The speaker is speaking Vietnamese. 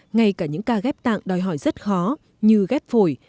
ngay cả những ca ghép tạng đòi hỏi rất khó như ghép phổi